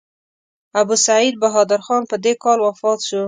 ابوسعید بهادر خان په دې کال وفات شو.